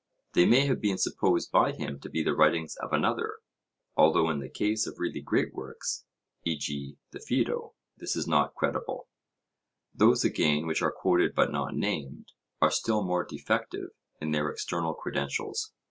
They may have been supposed by him to be the writings of another, although in the case of really great works, e.g. the Phaedo, this is not credible; those again which are quoted but not named, are still more defective in their external credentials.